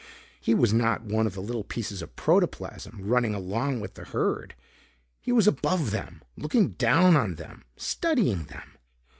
He was not one of the little pieces of protoplasm running along with the herd. He was above them. Looking down on them. Studying them.